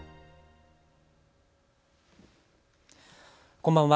こんばんは。